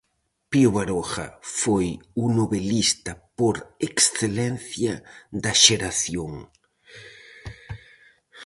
Pío Baroja foi o novelista por excelencia da Xeración.